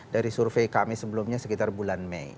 dari survei kami sebelumnya sekitar bulan mei